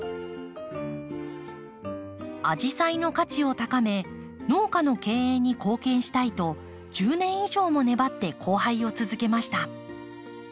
アジサイの価値を高め農家の経営に貢献したいと１０年以上も粘って交配を続けました。